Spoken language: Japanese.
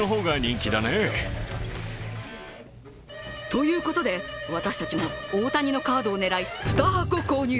ということで、私たちも大谷のカードを狙い２箱購入。